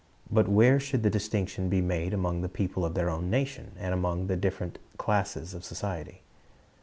But where should the distinction be made among the people of their own nation, and among the different classes of society?